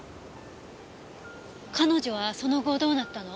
彼女はその後どうなったの？